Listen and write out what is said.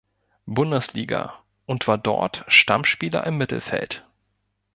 Bundesliga, und war dort Stammspieler im Mittelfeld.